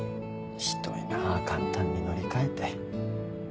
ひどいなあ簡単に乗り換えて。